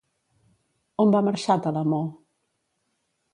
On va marxar Telamó?